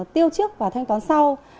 tiêu trước và thanh toán sau